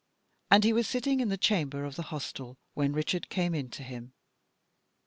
And he was sitting in the chamber of the hostel when Richard came in to him.